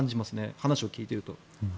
話を聞いていると。